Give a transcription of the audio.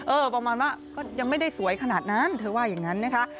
ประมาณว่าก็ยังไม่ได้สวยขนาดนั้นเธอว่าอย่างนั้นนะคะ